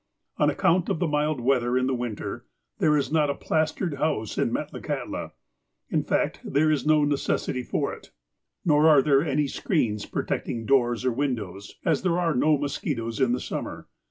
On account of the mild weather in the winter, there is not a plastered house in Metlakahtla. In fact, there is no necessity for it. Nor are there any screens protecting doors or windows, as there are no mosquitoes in the summer.